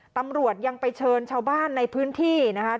ตำรวจยังไปเชิญชาวบ้านในพื้นที่นะคะ